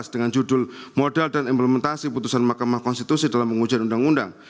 dengan judul modal dan implementasi putusan mahkamah konstitusi dalam pengujian undang undang